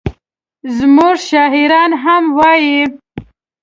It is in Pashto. زموږ شاعران هم وایي.